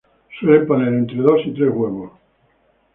Suelen poner entre dos y tres huevos.